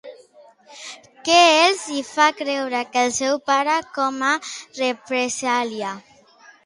Què els hi fa creure el seu pare com a represàlia?